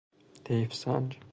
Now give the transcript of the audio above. طیف سنج